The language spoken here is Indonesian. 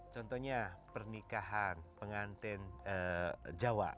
contohnya pernikahan pengantin jawa